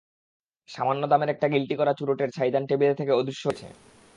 সামান্য দামের একটা গিল্টি-করা চুরোটের ছাইদান টেবিল থেকে অদৃশ্য হয়েছে।